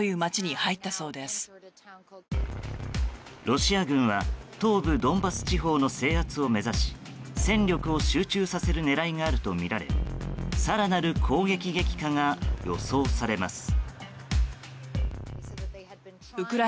ロシア軍は東部ドンバス地方の制圧を目指し戦力を集中させる狙いがあるとみられ更なる攻撃激化が予想されます。